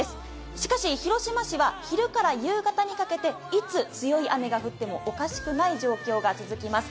しかし、広島市は昼から夕方にかけていつ強い雨が降ってもおかしくない状況が続きます。